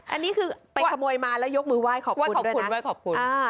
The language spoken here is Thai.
อันนี้คือไปขโมยมาน่ะยกมือไหว้ขอบคุณด้วยนะ